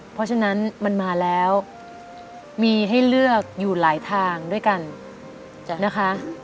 เพราะฉะนั้นมันมาแล้วมีให้เลือกอยู่หลายทางด้วยกันนะคะ